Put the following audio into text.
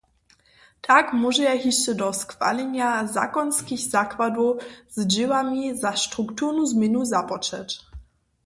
Tak móžeja hišće do schwalenja zakonskich zakładow z dźěłami za strukturnu změnu započeć.